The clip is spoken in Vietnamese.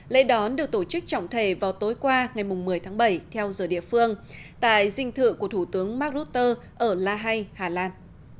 lễ đón được tổ chức trọng thể vào tối qua ngày một mươi tháng bảy theo giờ địa phương tại dinh thự của thủ tướng mark rutte ở la hay hà lan